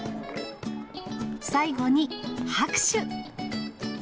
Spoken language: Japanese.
最後に、拍手。